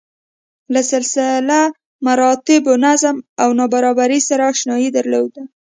له سلسله مراتبو، نظم او نابرابرۍ سره اشنايي درلوده.